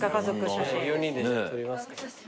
４人で撮りますか。